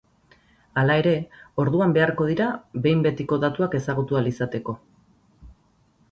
Hala ere, orduan beharko dira behin betiko datuak ezagutu ahal izateko.